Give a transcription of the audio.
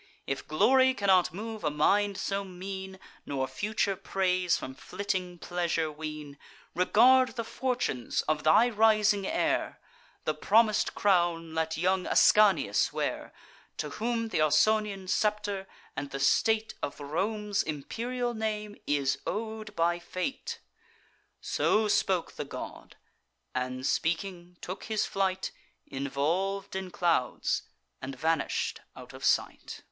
If glory cannot move a mind so mean, Nor future praise from flitting pleasure wean, Regard the fortunes of thy rising heir: The promis'd crown let young Ascanius wear, To whom th' Ausonian scepter, and the state Of Rome's imperial name is ow'd by fate." So spoke the god; and, speaking, took his flight, Involv'd in clouds, and vanish'd out of sight.